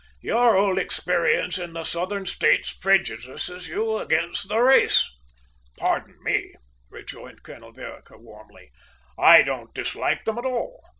"Your old experience in the Southern States prejudices you against the race." "Pardon me," rejoined Colonel Vereker warmly, "I don't dislike them at all.